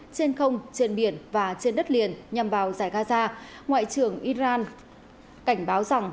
trên không trên biển và trên đất liền nhằm vào giải gaza ngoại trưởng iran cảnh báo rằng